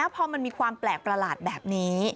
พอมันมีความแปลกประหลาดแบบนี้